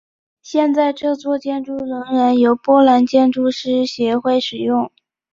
现在这座建筑仍然由波兰建筑师协会使用。